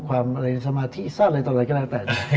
ความเรียนสมาธิซะอะไรต่อไปก็แล้วแต่